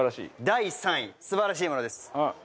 第３位素晴らしいものです。